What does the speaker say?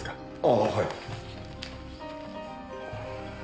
ああはい。